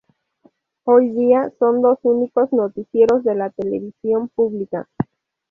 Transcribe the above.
Hoy día, son dos únicos noticieros de la televisión pública.